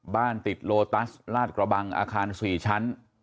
บ้านติดโลตัสลาดกระบังอาคาร๔ชั้น